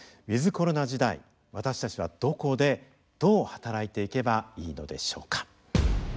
ウィズコロナ時代私たちはどこでどう働いていけばいいのでしょうか。